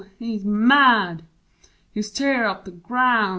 he's mad! He ist tear up the ground!